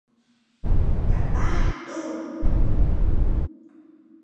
kapah tu